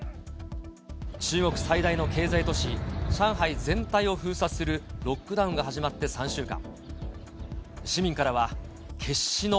中国最大の経済都市、上海全体を封鎖するロックダウンが始まって３週間。